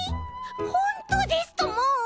ほんとうですとも！